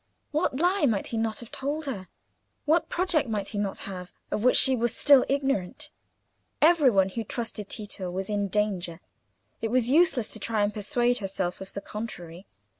What lie might he not have told her? What project might he not have, of which she was still ignorant? Every one who trusted Tito was in danger; it was useless to try and persuade herself of the contrary.